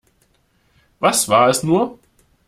Was war es nur?